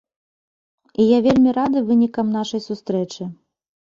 І я вельмі рады вынікам нашай сустрэчы.